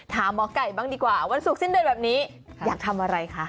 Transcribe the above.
หมอไก่บ้างดีกว่าวันศุกร์สิ้นเดือนแบบนี้อยากทำอะไรคะ